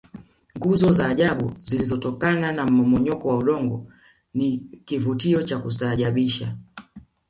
nguzo za ajabu zilizotokana na mmomonyoko wa udongo ni kivutio cha kustaajabisha